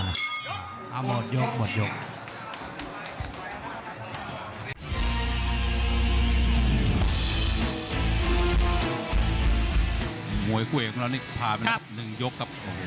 หมดยกหมดยก